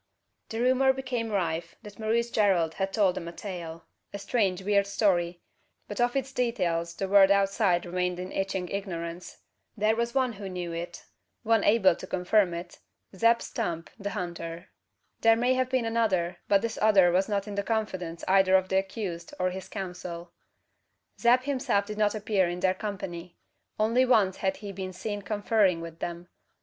The rumour became rife that Maurice Gerald had told them a tale a strange weird story but of its details the world outside remained in itching ignorance. There was one who knew it one able to confirm it Zeb Stump the hunter. There may have been another; but this other was not in the confidence either of the accused or his counsel. Zeb himself did not appear in their company. Only once had he been seen conferring with them.